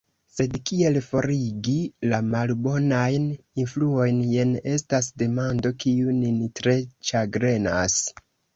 Sed kiel forigi la malbonajn influojn, jen estas demando, kiu nin tre ĉagrenas